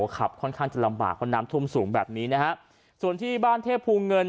ขับค่อนข้างจะลำบากเพราะน้ำท่วมสูงแบบนี้นะฮะส่วนที่บ้านเทพภูเงิน